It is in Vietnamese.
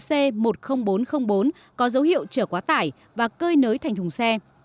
xe một nghìn bốn trăm linh bốn có dấu hiệu trở quá tải và cơi nới thành thùng xe